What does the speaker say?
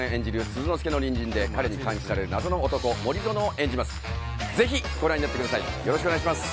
鈴之介の隣人で彼に監視される謎の男森園を演じます。